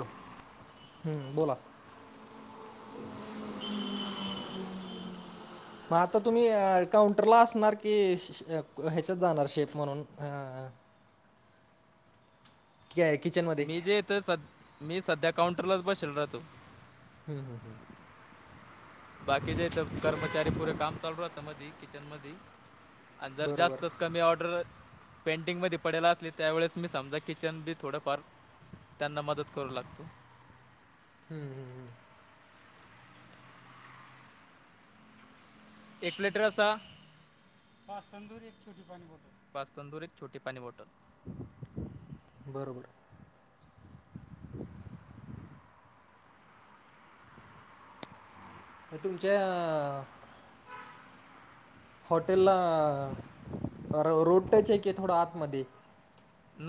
हम्म बोला. मग आता तुम्ही काउंटरला असणार की ह्याच्यात जाणार शेप म्हणून अ. किचन मध्ये. मी जे इथ स मी सध्या काउंटरलाच बसेल राहतो. हम् हम हम. बाकी जे कर्मचारी पुरे काम चालू राहतं मध किचनमध्ये आणि जर बरोबर जास्तच कमी ऑर्डर पेंटिंगमध्ये पडेला असली त्यावेळेस मी समजा किचन बी थोडंफार. त्यांना मदत करू लागतो. हम् हम्. एक लेटर रसा. पाच तंदूरी एक छोटी पाणी बॉटल, पाच तंदूरी एक छोटी पाणी बॉटल. बरोबर. तुमच्या अ. हॉटेलला रोडच आहे की थोडं आतमध्ये.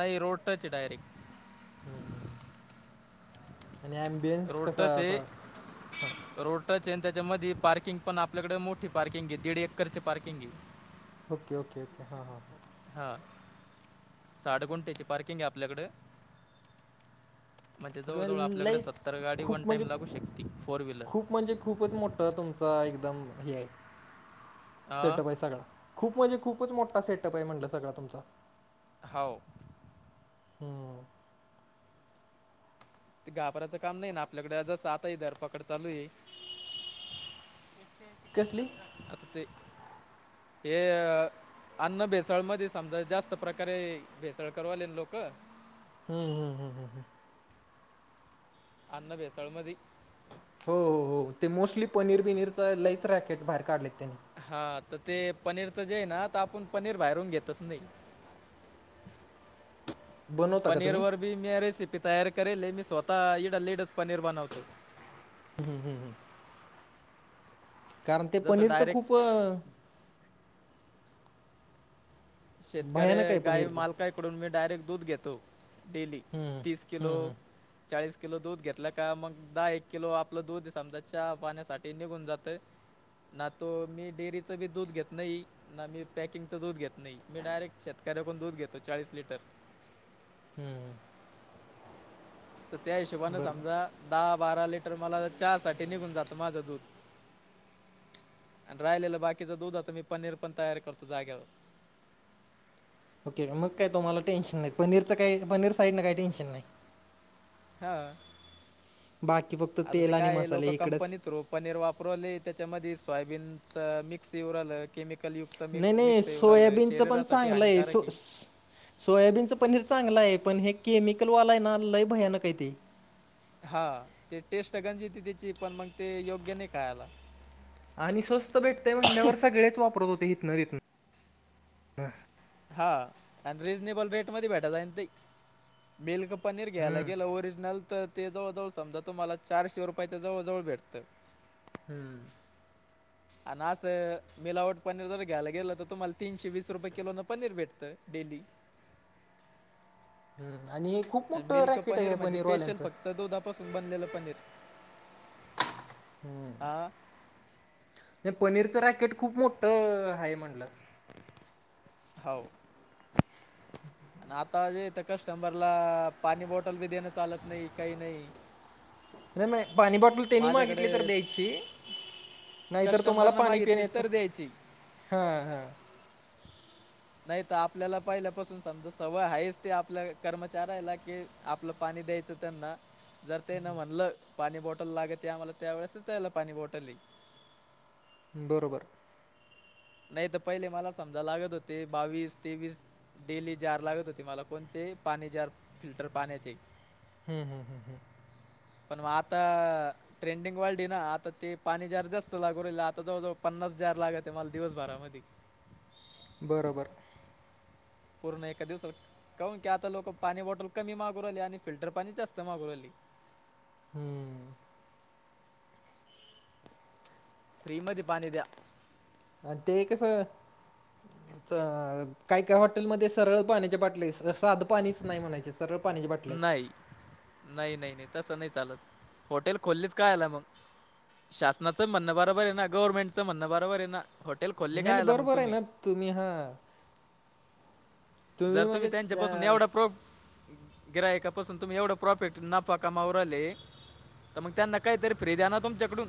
नाही रोड टच ये डायरेक्ट. हम् आणि आमबियन्स रोड कसा टच आहे असा ह. रोड टच त्याच्यामध्ये पार्किंग पण आपल्याकडे मोठी पार्किंग आहे दीड एकरची पार्किंग आहे. ओके ओके ओके हां हां. हा साठगुंट्याची पार्किंग आहे आपल्याकडं. म्हणजे ओके जवळजवळ म्हणजे आपल्याकडे लईच सत्तर गाडी वन खूप टाइम म्हणजे लागू शकते फोर व्हीलर. खूप म्हणजे खूपच मोठं तुमचा एकदम हे आहे अ सेटप आहे सगळा. खूप म्हणजे खूपच मोठा सेटप आहे म्हणटलं सगळा तुमचा. हाव. हम्म. ते घाबरायचं काम नाही ना आपल्याकडे ज स आता आहे धरपकड चालू आहे. कसली. आत ते हे. अन्न भेसळमध्ये समजा जास्त प्रकारे भेसळकरूवाले लोक. हम् हम हम हम हम. अन भेसळ मधी. हो हो हो ते मोस्टली पनीर बिनीरच लईच रॅकेट बाहेर काढलेत त्यानी. हा तर ते पनीरच जे आहे ना, तर आपण पनीर बाहेरून तर घेतच नाही. बनवता का पनीर तुम्ही वर बी म्या रेसिपी तयार करेल हे मी स्वतः इथल्या इथं पनीर बनवतो. हम हम हम हंम. कारण ते जसं पनीरचं डायरेक्ट खूप, भयानक शेतकऱ्या आहे गाय पनीरचं माल काय. कडून मी डायरेक्ट दूध घेतो, डेली हम्म तीस किलो. हम्म हम्म चाळीस किलो दूध घेतलं का मग, दहा एक किलो आपलं दूध समजा चहा पाण्यासाठी निघून जातंय. ना तो मी डेअरीचं बी दूध घेत नाही ना मी पॅकिंगचं दूध घेत नाई. मी डायरेक्ट शेतकऱ्याकून दूध घेतो चाळीस लिटर. हम्म. तर त्या हिशोबानें बरोबर समजा दहा बारा लिटर मला चहासाठी निघून जातं माझं दूध. अनं राहिलेलं बाकीच दुधाचं मी पनीर पण तयार करतो जाग्यावर. ओके मग काय तुम्हाला टेन्शन नाय पनीरचं काय पनीर साईडंन काय टेन्शन नाही. हां.. बाकी फक्त आता ते तेल आणि काय लोक मसाले इकडंच कंपनीत रोप. पनीर वापरवले त्याच्यामध्ये सोयाबीनचं मिक्स येऊ राहिलं केमिकल यु नाई नाई सोयाबीनच पण चांगलं हानिकारक सो आहे स. सोयाबीनचं पनीर चांगलं हाय पण हे केमिकलवाला ए ना लय भयानक आहे ते. हा ते टेस्ट गंज येती त्याची पण मग ते योग्य नाई खायला. आणि स्वस्त भेटतय म्हटल्यावर सगळेच वापरत होते हिथनं तिथन हां.. आणि रिझनेबल रेट मध्ये, भेटायचा आणि ते मिल्क पनीर घ्यायला हम्म गेलं, ओरिजनल तर. ते जवळ जवळ समजा, तुम्हाला चारशे रुपयाच्या जवळ जवळ भेटत. हम्म. आण असं मिलावट पनीर जर घ्यायला गेलं तर तुम्हाला तीनशे वीस रुपये किलो न पनीर भेटतं डेली. हम्म... आणि हे खूप मोठं रॅकेट आहे, पनीरवाल्यांचं. तर दुधापासून बनलेलं पनीर. ‌ हम्म. हा नाही पनीरचं रॅकेट खूप मोठ हाय म्हंटला. हौ. आणि आता जेथ कस्टमरला, पाणी बॉटल बी देणं चालत नाही काही नाही. नाही मग, पाणी बॉटल तेनी माझ्याकडे मागितली तर द्यायची. नाहीतर तुम्हाला कस्टंबरनं पाणी मागितली पिण्याचं तर द्यायची हा हा. नाही तर आपल्याला पहिल्यापासून समजा सवय आहेच ते आपल्या कर्मचाऱ्याला की आपलं पाणी द्यायचं त्यांना जर तेन म्हणलं पाणी बॉटल लागते, आम्हाला त्या वेळेसच त्याला पाणी बॉटल ये. बरोबर. नाही तर पहिले मला समजा लागत होते बावीस तेवीस डेली जार लागत होते मला कोणते पाणी जार फिल्टर पाण्याचे. हम् हम हम् हम. पन मग आता ट्रेंडिंग वाढली ना आता ते पाणी जार जास्त लागू राहिले, आता जवळजवळ पन्नास जार लागत मला दिवसभरामध्ये. बर बर. पूर्ण एका दिवस कौन की आता लोक पाणी बॉटल कमी मागू राहीले, आणि फिल्टर पाणी जास्त मागू राहीले. हम्म. फ्री मध्ये पाणी द्या. अन ते कसं काय काय हॉटेलमध्ये सरळ, पाण्याच्या बाटले साध पाणीच नाही म्हणायचे सरळ. पाण्याच्या बाटल्याच नाई नाही नाही नाही तसं नाही चालत होटेल खोललेच कायला मग? शासनाचं म्हणणं बरोबरे ना गव्हर्नमेंटचं म्हणं बरोबरे ना हॉटेल खोलले नाही नाही कायला मग बरोबर आहे तुम्ही. ना तुम्ही हा जर तुम्ही म्हणजे त्यांच्यापासून अं, एवढा प्रो गिराहीकापासून तुम्ही एवढं प्रॉफिट नफा कमाऊ राहीले. तर मग त्यांना काहीतर फ्रि द्या ना तुमच्याकडून.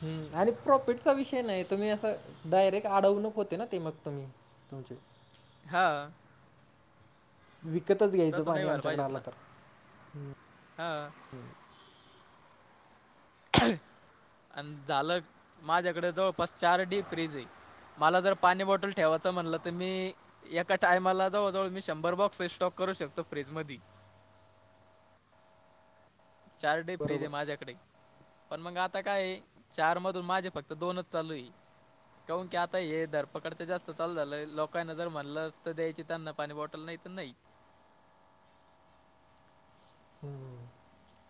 हम... आणि प्रॉफिटचा विषय नाय तुम्ही असं, डायरेक्ट आडवणूक होते ना ती मग तुम्ही. [unintelligible] हा. विकतचं घ्यायचं पाणी, आमच्याकडं आला तर. ह.. हम्म आणि झालं माझ्याकडे जवळपास चार डीप फ्रीज ये. मला जर पाणी बॉटल ठेवायचं, म्हणलं तर मी. एका टायमाला जवळजवळ मी शंभर बॉक्सेस स्टॉक करू शकतो फ्रीजमधी. चार डीप फ्रिजये बरोबर माझ्याकडे. पण मग आता काय चार मधून माझे फक्त दोनच चालूये. काून की आता हे धरपकडच त जास्तं चालू झालंय, लोकानं जर म्हणलं तर द्यायची त्यांना पाणी बॉटल. होटल नाही तर नाही.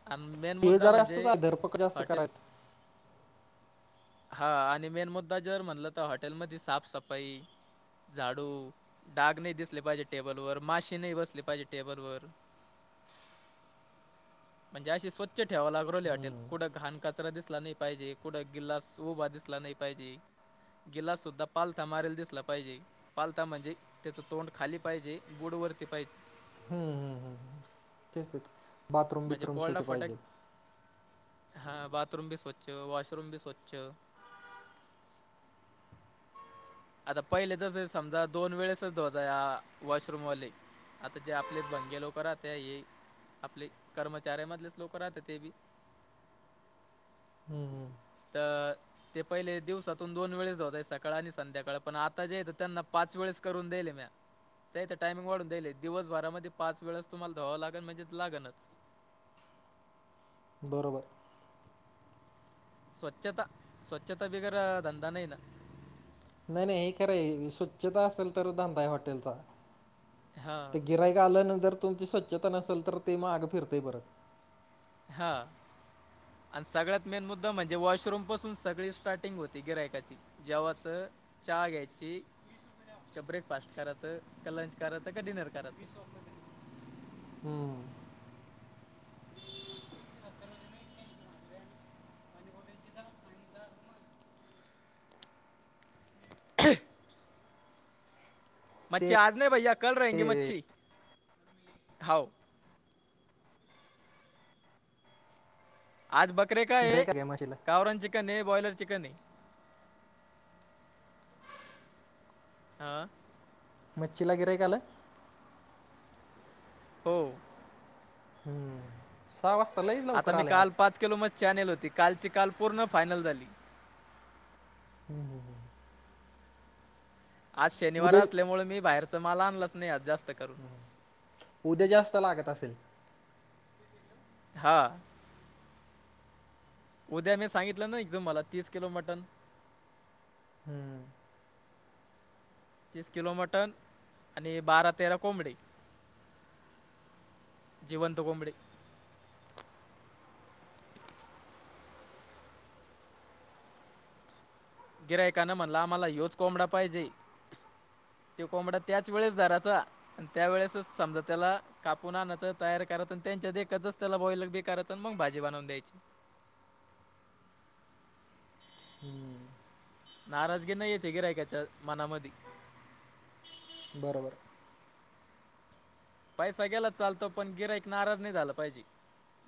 आणि मेन हे मुद्दा जरा असतं म्हणजे काय, धरपकड जास्त हॉटेल कराय येत. हा आणि मेन मुद्दा जर म्हणलं तर हॉटेलमध्येध साफसफाई. झाडू डाग नाही दिसले पाहिजे टेबल वर, माशी नाही बसले पाहिजे टेबल वर. म्हणजे असे स्वच्छ ठेवा लागू राहले हॉटेल. हम्म कुठं घाण कचरा दिसला नाही पाहिजे, कुठं गिलास उभा दिसला नाही. पाहिजे गिलास सुद्धा पालथा मारलं दिसला पाहिजे. पालता म्हणजे त्याचं तोंड खाली पाहिजे गुडवरती पाहिजे. हम्म हम् हम् तेच तेच बाथरूम म्हणजे बथरूम कोरडा स्वचे फटक पाहिजेत. हा बाथरूम भी स्वच्छ, वाॉशरूम भी स्वच्छ. आता पहिले तस समजा दोन, वेळेसच धुवत या वॉशरूम वाले. आता जे आपले भंगे लोक राहते हे, आपले कर्मचाऱ्यामधलेच लोक राहते ते बी. हम्म. हम्म तर ते पहिले दिवसातून दोन वेळेस धवतय सकाळ आणि संध्याकाळ, पण आता जे येत त्यांना पाच वेळेस करून देईले म्या. त्या टायमिंग वाढून दईय, दिवसभरामध्ये पाच वेळेस तुम्हाला धुवा लागेल म्हणजे लागनचं. बरोबर. स्वच्छता, स्वच्छता बिगर धंदा नाही ना. नाही नाही हे खराय स्वच्छता असेल तर धांंदा आहे हॉटेलचा. ते हा गिऱ्हाईक आल्यानंतर तुमची स्वच्छता नसेल, तर ते माग फिरतंय परत. हां. आणि सगळ्यात मेन मुद्दा म्हणजे, वॉशरूम पासून सगळी स्टार्टिंग होती गिऱ्हाईकाची. जवत चाहा ग याची. का ब्रेकफास्ट करायचं का, लंच कराचं का डिनर कराचं. हम्म. [unintelligible] ते मच्छी आज नाही भैया, कल रहेगी मच्छी हाव. आज बकरे काय आहे, गिरायक आलंय मच्छीला गावरन चिकन ये बॉयलर चिकन ये. अं.. मच्छीला गिऱ्हाईक आलं. हो. हम्म. सहा वाजता लै. आता मी काल पाच किलो मग, मच्छी आणली होती, कालची काल पूर्ण फायनल झाली. हम् हम हम. आज शनिवार उद्या असल्यामुळे, मी बाहेरचा माल आणलंच नाही आज जास्त करून. उद्या जास्तं लागत असेल. हं.. उद्या मी सांगितलं ना, एकदम मला तीस किलो मटन. हम्म. तीस किलो मटण आणि बारा तेरा कोंबडी. जिवंत कोंबडी. गिऱ्हाईकाने म्हणल आम्हाला ह्योच कोंबडा पाहिजे. तो कोंबडा त्याच वेळेस धराचा आणि त्यावेेळेसच समजा त्याला कापून आणाच तयार कराच आणि त्यांच्या देखतच त्याला बॉईल बी करायच मग भाजी बनवून द्यायची. हम्म. नाराजगी नाही येत गिऱ्हाईकच्या मनामध्ये. बरोबर. पैसा गेलाच चालतो, पण गिराईक नाराज नाही झाला पाहिजे,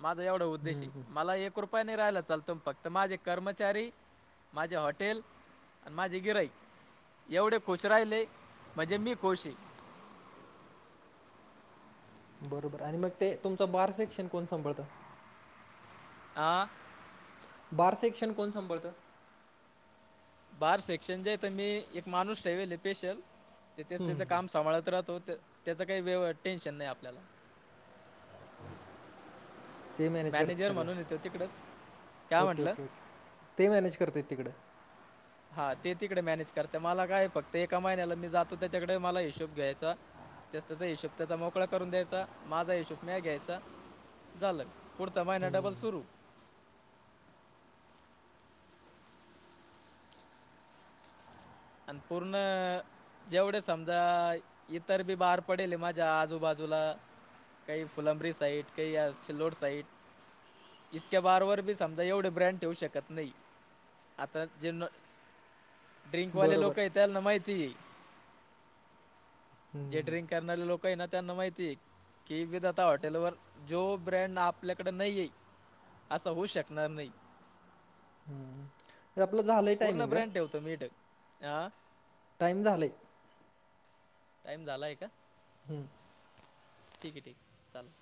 माझा एवढा उद्देश हम्म आहे. मला एक. कृपया नाही राहिला चालतो, फक्त माझे कर्मचारी माझे हॉटेल. आणि माझे गिरईक एवढे कोच राहिले म्हणजे मी खश आहे. बरोबर आणि मग ते, तुमचं बार सेक्शन कोण सांभाळतं. ह. बार सेक्शन कोण सांभाळतं? बार सेक्शन जे आहे तर मी एक माणूस ठेवेले स्पेशल. तेथच हम्म हम्म त्याचं हम्म. काम सांभाळत राहतो त्याच काही व टेन्शन नाही आपल्याला. ते मॅनेज करतात मॅनेजर म्हणून सगळं येतो तिकडच काय ओके म्हंटलं. Okay okay. ते मॅनेज करत आहेत तिकडं. हा ते तिकडे मॅनेज करतेमला काय. फक्त एका महिन्याला मी जातो त्याच्याकडे मला हिशोब घ्यायचा. त्यात त्याचा हिशोब त्याचा मोकळा करून द्यायचा. माझा हिशोब नाही घ्यायचा झालं. पुढचा महिना डबल हम्म सुरू. अन पूर्ण. जेवढे समजा इतर बी बााहर पडेल माझ्या आजूबाजूला. काही फुलंबरी साईट काही या सिल्लोर साईट. इतक्या बारवर बी समजा एवढे ब्रँड ठेवू शकत नाही. आता जे ड्रिंकवाले बरोबर लोक आहे त्यांना माहितीये. जे हम्म ड्रिंक करणारे लोक आहे ना त्यांना माहितीय. येऊ देतेत आता हॉटेल वर जो ब्रँड आपल्याकडे नाही आहे. असं होऊ शकणार नाही. हम्म. हे आपलं झालंय पूर्ण टायमिंग ब्रँड ठेवतो मी रिटेल हा. टाईम झालंय. टाइम झालाय का? हम्म. ठीक आहे ठीक चालतंय.